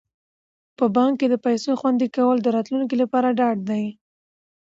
په بانک کې د پيسو خوندي کول د راتلونکي لپاره ډاډ دی.